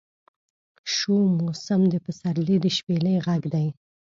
شو موسم د پسرلي د شپیلۍ غږدی